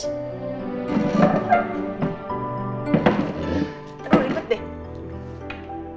terus lipet deh